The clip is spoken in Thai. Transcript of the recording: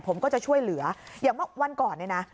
ผมก็จะช่วยเหลืออย่างเมื่อวันก่อนเนี่ยนะ